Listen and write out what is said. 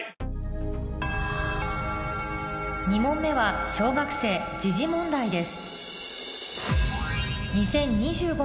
２問目は小学生時事問題です